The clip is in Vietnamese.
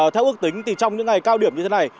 theo ước tính thì trong những ngày cao điểm như thế này